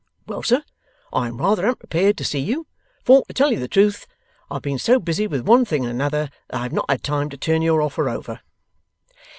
Well, sir, I am rather unprepared to see you, for, to tell you the truth, I've been so busy with one thing and another, that I've not had time to turn your offer over.